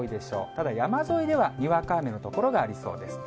ただ山沿いではにわか雨の所がありそうです。